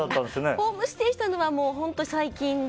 ホームステイしたのは本当に最近で。